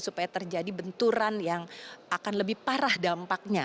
supaya terjadi benturan yang akan lebih parah dampaknya